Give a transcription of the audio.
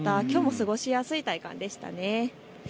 きょうも過ごしやすい体感でしたね。